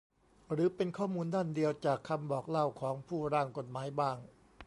หรือเป็นข้อมูลด้านเดียวจากคำบอกเล่าของผู้ร่างกฎหมายบ้าง